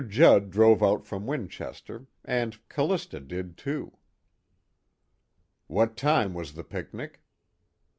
Judd drove out from Winchester. And C'lista did too." "What time was the picnic?"